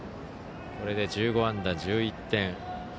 これで１５安打１１点。